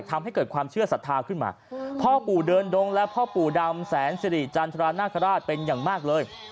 ทำให้เกิดความเชื่อศรัทธาขึ้นมาพ่อปู่เดินดงและพ่อปู่ดำแสนสิริจันทรานาคาราชเป็นอย่างมากเลย